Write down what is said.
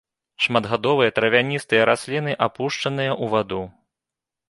Шматгадовыя травяністыя расліны, апушчаныя ў ваду.